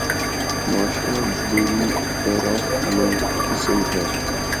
معاشرہ بری طرح منقسم ہے۔